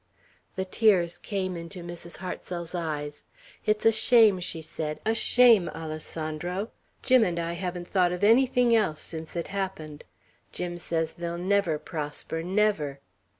The tears came into Mrs. Hartsel's eyes. "It's a shame!" she said, "a shame, Alessandro! Jim and I haven't thought of anything else, since it happened. Jim says they'll never prosper, never.